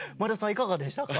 いかがでしたか？